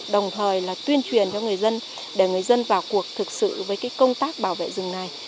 đồng thời là tuyên truyền cho người dân để người dân vào cuộc thực sự với công tác bảo vệ rừng này